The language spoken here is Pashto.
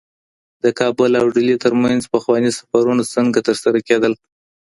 د کابل او ډیلي ترمنځ پخواني سفرونه څنګه ترسره کيدل؟